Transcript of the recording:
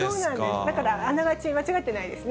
だから、あながち間違ってないですね。